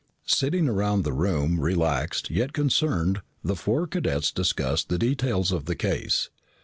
Sitting around the room, relaxed, yet concerned, the four cadets discussed the details of the case.